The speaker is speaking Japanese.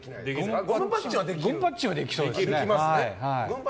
ゴムパッチンはできそうですね。